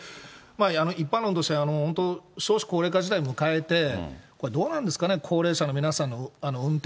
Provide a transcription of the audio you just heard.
一般論として、本当、少子高齢化時代迎えて、これどうなんですかね、高齢者の皆さんの運転。